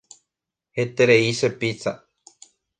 Heterei che pizza.